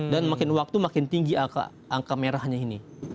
dan makin waktu makin tinggi angka merahnya ini